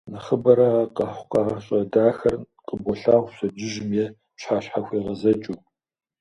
Нэхъыбэрэ а къэхъукъащӏэ дахэр къыболъагъу пщэдджыжьым е пщыхьэщхьэхуегъэзэкӏыу.